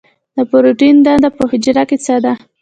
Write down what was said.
د پروټین دنده په حجره کې څه ده؟